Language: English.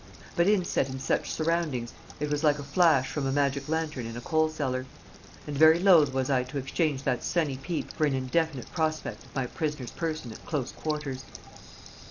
But inset in such surroundings it was like a flash from a magic lantern in a coal cellar. And very loth was I to exchange that sunny peep for an indefinite prospect of my prisoner's person at close quarters.